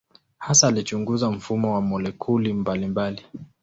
Hasa alichunguza mfumo wa molekuli mbalimbali.